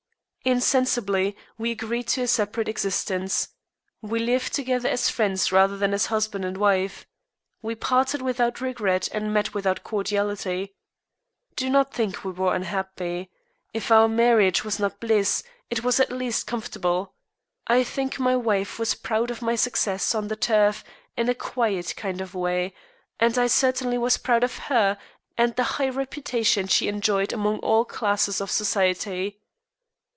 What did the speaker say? Insensibly, we agreed to a separate existence. We lived together as friends rather than as husband and wife. We parted without regret and met without cordiality. Do not think we were unhappy. If our marriage was not bliss, it was at least comfortable. I think my wife was proud of my successes on the turf in a quiet kind of way, and I certainly was proud of her and of the high reputation she enjoyed among all classes of society.